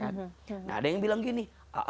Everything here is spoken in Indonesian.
nah ada yang bilang gini